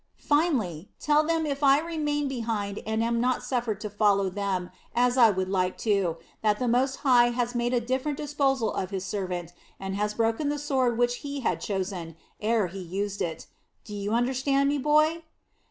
Finally, tell them that if I remain behind and am not suffered to follow them, as I would like to, that the Most High has made a different disposal of His servant and has broken the sword which He had chosen, ere He used it. Do you understand me, boy?"